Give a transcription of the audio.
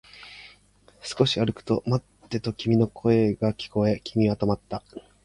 少し歩くと、待ってと君の声が聞こえ、君は止まった